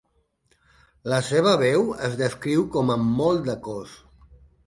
La seva veu es descriu com amb molt de cos.